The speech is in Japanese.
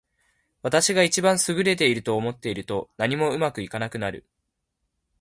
私が一番優れていると思っていると、何もうまくいかなくなる。